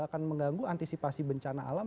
akan mengganggu antisipasi bencana alam